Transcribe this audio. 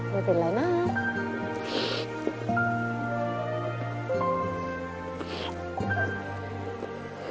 ไม่เป็นไรนะ